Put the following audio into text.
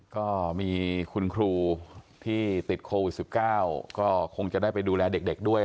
ก็มีคุณครูที่ติดโควิด๑๙ก็คงจะได้ไปดูแลเด็กด้วย